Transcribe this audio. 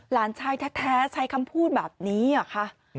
ล้านชายแท้ใช้คำพูดแบบนี้ค่ะ